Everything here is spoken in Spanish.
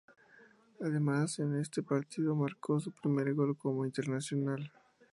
Además, en este partido marcó su primer gol como internacional.